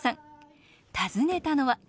訪ねたのは。